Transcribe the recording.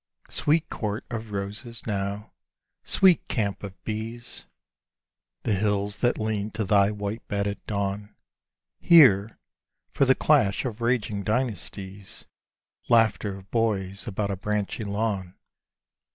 Sweet court of roses now, sweet camp of bees! The hills that lean to thy white bed at dawn, Hear, for the clash of raging dynasties, Laughter of boys about a branchy lawn.